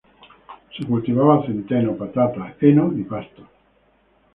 Se cultivaba centeno, patatas, heno y pastos.